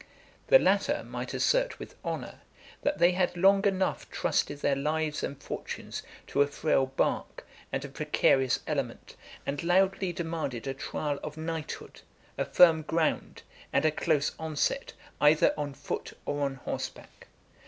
The latter might assert with honor, that they had long enough trusted their lives and fortunes to a frail bark and a precarious element, and loudly demanded a trial of knighthood, a firm ground, and a close onset, either on foot or on horseback.